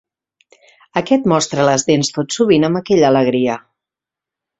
Aquest mostra les dents tot sovint amb aquella alegria.